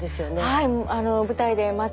はい。